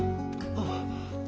あっ。